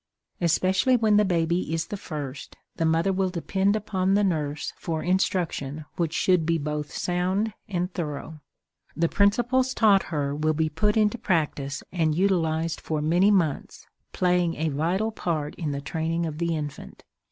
Especially when the baby is the first, the mother will depend upon the nurse for instruction which should be both sound and thorough. The principles taught her will be put into practice and utilized for many months, playing a vital part in the training of the infant.